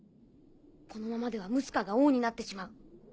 このままではムスカが王になってしまう。